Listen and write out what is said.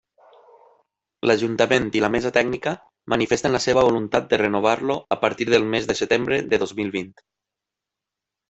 L'Ajuntament i la Mesa Tècnica, manifesten la seva voluntat de renovar-lo a partir del mes de setembre de dos mil vint.